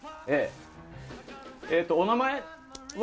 お名前は？